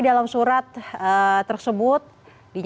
selamat sore pak roy